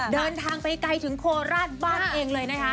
เดินทางไปไกลถึงโคราชบ้านเองเลยนะคะ